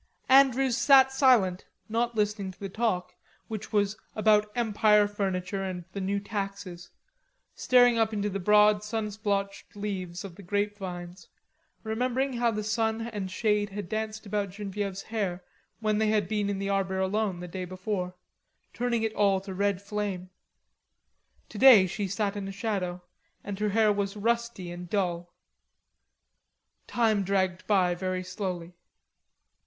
Andrews sat silent, not listening to the talk, which was about Empire furniture and the new taxes, staring up into the broad sun splotched leaves of the grape vines, remembering how the sun and shade had danced about Genevieve's hair when they had been in the arbor alone the day before, turning it all to red flame. Today she sat in shadow, and her hair was rusty and dull. Time dragged by very slowly.